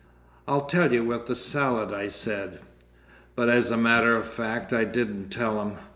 "I'll tell you with the salad," I said. But as a matter of fact I didn't tell him.